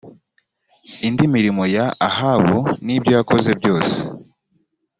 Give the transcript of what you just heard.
indi mirimo ya ahabu n ibyo yakoze byose